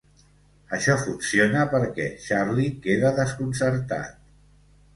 Això funciona perquè Charlie queda desconcertat.